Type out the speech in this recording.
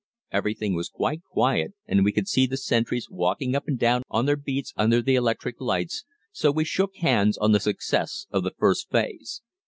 Everything was quite quiet and we could see the sentries walking up and down on their beats under the electric lights, so we shook hands on the success of the first phase.